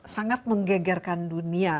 sangat menggegarkan dunia